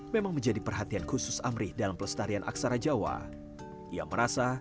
jangan lupa like share dan subscribe